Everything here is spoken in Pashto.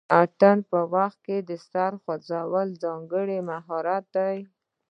د اتن په وخت کې د سر خوځول ځانګړی مهارت دی.